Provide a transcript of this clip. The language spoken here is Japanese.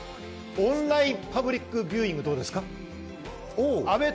オンラインパブリックビューイングどうですか？